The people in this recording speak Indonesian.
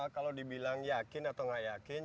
kalau dibilang yakin atau nggak yakin